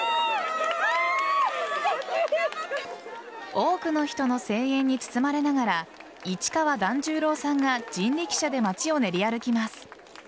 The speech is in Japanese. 多くの人の声援に包まれながら市川團十郎さんが人力車で街を練り歩きます。